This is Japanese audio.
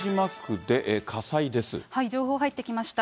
情報入ってきました。